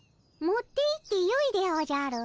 持っていってよいでおじゃる。